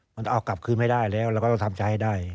มันต้องเอากลับคืนไม่ได้แล้วเราก็ต้องทำใจให้ได้